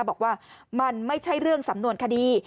บอกว่ามันไม่ใช่เรื่องสำนวนคดี